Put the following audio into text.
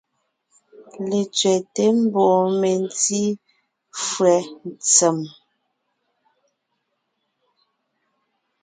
Letsẅɛ́te mbɔɔ mentí fÿɛ́ ntsèm.